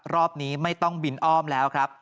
รอบนี้ไม่ต้องบินอ้อมแล้วครับ